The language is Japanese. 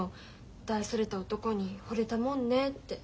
大それた男にほれたもんねって。